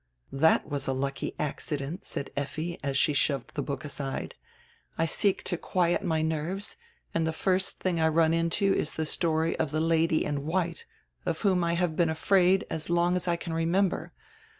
'" "That was a lucky accident!" said Effi, as she shoved die book aside. "I seek to quiet my nerves, and the first tiling I run into is the story of the 'Lady in white,' of whom I have been afraid as long as I can remember.